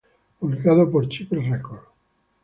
Publicado por Cypress Records.